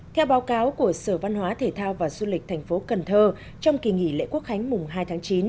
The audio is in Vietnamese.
theo báo cáo của sở văn hóa thể thao và du lịch thành phố cần thơ trong kỳ nghỉ lễ quốc khánh mùng hai tháng chín